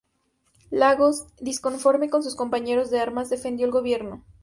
Lagos, disconforme con sus compañeros de armas, defendió al gobierno.